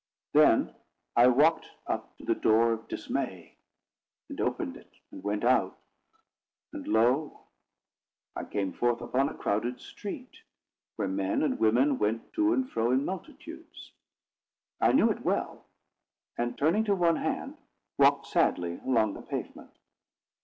Then I walked up to the door of Dismay, and opened it, and went out. And lo! I came forth upon a crowded street, where men and women went to and fro in multitudes. I knew it well; and, turning to one hand, walked sadly along the pavement.